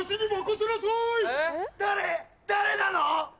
誰⁉誰なの⁉